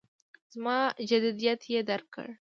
زما جدیت یې درک کړ.